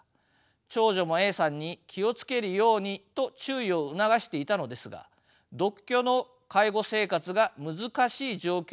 長女もＡさんに気を付けるようにと注意を促していたのですが独居の介護生活が難しい状況になっていったそうです。